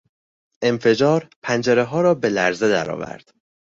انفجار پنجرهها را به لرزه درآورد.